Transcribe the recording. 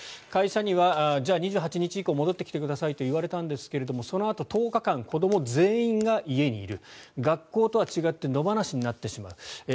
会社にはじゃあ２８日以降戻ってきてくださいと言われたんですがそのあと、１０日間子ども全員が家にいる学校とは違って野放しになってしまう。